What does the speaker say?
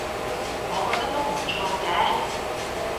我覺得都唔錯嘅